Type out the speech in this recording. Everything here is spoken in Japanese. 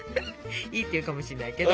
いいって言うかもしんないけど。